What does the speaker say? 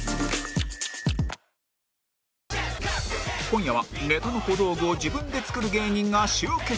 今夜はネタの小道具を自分で作る芸人が集結